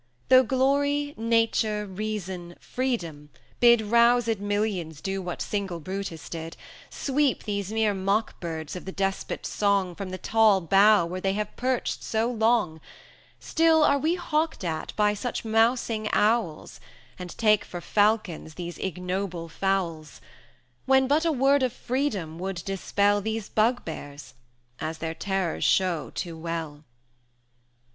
Though Glory Nature Reason Freedom, bid Roused millions do what single Brutus did Sweep these mere mock birds of the Despot's song From the tall bough where they have perched so long, Still are we hawked at by such mousing owls, And take for falcons those ignoble fowls, When but a word of freedom would dispel 330 These bugbears, as their terrors show too well.